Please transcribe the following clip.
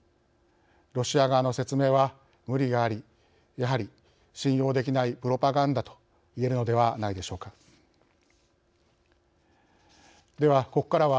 ロシア側の説明は、無理がありやはり信用できないプロパガンダと言えるのではないでしょうか。